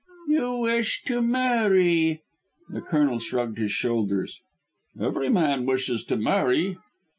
"You wish to marry." The Colonel shrugged his shoulders. "Every man wishes to marry."